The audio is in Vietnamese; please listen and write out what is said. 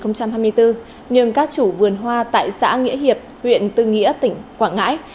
nhưng các chủ vườn hoa tại xã nghĩa hiệp huyện tư nghĩa tỉnh quảng ngãi